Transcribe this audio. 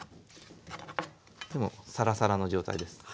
でもうサラサラの状態です。